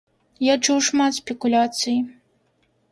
Я чуў шмат спекуляцый.